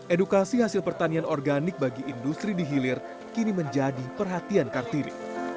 edukasi hasil pertanian organik bagi industri di hilir kini menjadi perhatian kartini